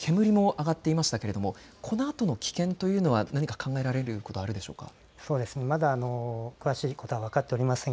つい先ほどまでも煙も上がってましたけれどもこのあとの危険というのは何か考えられることがあるでしょうか。